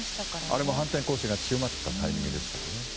あれも反転攻勢が強まったタイミングですからね。